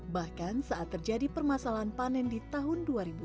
bahkan saat terjadi permasalahan panen di tahun dua ribu dua puluh